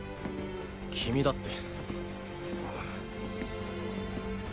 君だって。